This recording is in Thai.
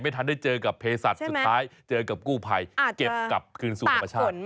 ทันได้เจอกับเพศัตว์สุดท้ายเจอกับกู้ภัยเก็บกลับคืนสู่ธรรมชาติ